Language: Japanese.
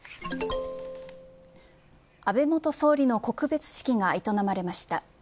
安倍元総理の告別式が営まれました。